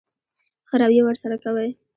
ښه رويه ورسره کوئ.